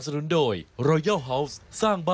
สวัสดีค่ะคุณผู้ชมต้อนรับเข้าสู่ชุวิตตีแสงหน้า